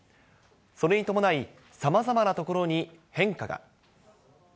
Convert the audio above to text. それに伴い、さまざまな所に変化が。